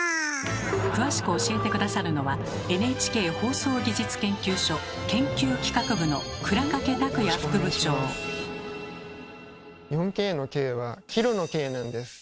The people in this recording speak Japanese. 詳しく教えて下さるのはＮＨＫ放送技術研究所研究企画部の４Ｋの「Ｋ」はキロの「Ｋ」なんです。